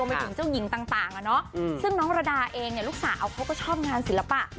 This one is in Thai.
ไปถึงเจ้าหญิงต่างซึ่งน้องระดาเองเนี่ยลูกสาวเขาก็ชอบงานศิลปะ